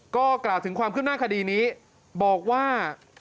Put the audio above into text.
ก็กล่าวถึงความคืบหน้าคดีนี้บอกว่า